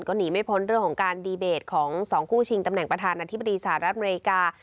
ก็หนีไม่พ้นเรื่องของการดีเบตของ๒คู่ชิงตำแหน่งประธานาธิบดีสหรัฐอเมริกา